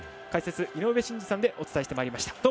解説、井上真司さんでお伝えしてまいりました。